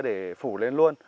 để phủ lên luôn